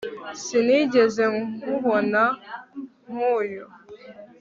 Sinigeze nkubona nkuyu